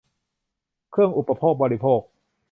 เครื่องอุปโภคบริโภค